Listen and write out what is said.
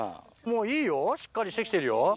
もういいよしっかりして来てるよ。